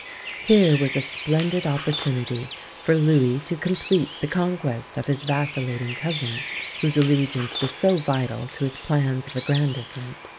Here was a splendid opportunity for Louis to complete the conquest of his vacillating cousin whose allegiance was so vital to his plans of aggrandisement.